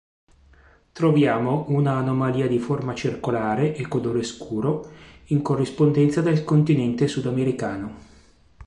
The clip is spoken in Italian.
Troviamo una anomalia di forma circolare e colore scuro in corrispondenza del continente sudamericano.